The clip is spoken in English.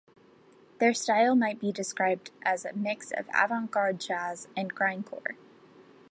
Their style might be described as a mix of avant-garde jazz and grindcore.